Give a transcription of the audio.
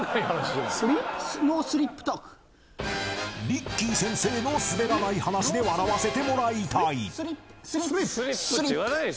［リッキー先生のすべらない話で笑わせてもらいたい］